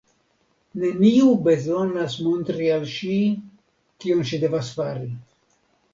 Neniu bezonas montri al ŝi, kion ŝi devas fari.